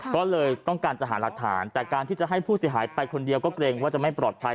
ก็เลยต้องการจะหาหลักฐานแต่การที่จะให้ผู้เสียหายไปคนเดียวก็เกรงว่าจะไม่ปลอดภัย